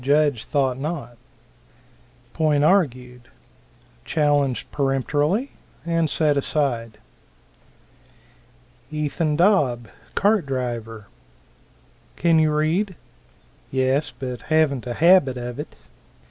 Judge thought not. Point argued. Challenged peremptorily, and set aside. Ethan Dobb, cart driver. "Can you read?" "Yes, but haven't a habit of it."